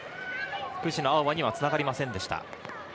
藤野あおばにはつながりませんでした。